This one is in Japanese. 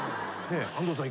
安藤さん